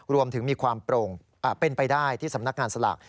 รวมถึงมีความเป็นไปได้ที่สำนักงานสลาก